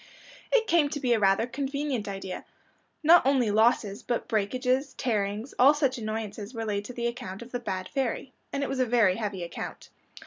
It came to be rather a convenient idea. Not only losses, but breakages, tearings, all such annoyances were laid to the account of the bad fairy. And it was a very heavy account.